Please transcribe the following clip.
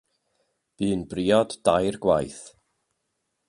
Bu'n briod dair gwaith.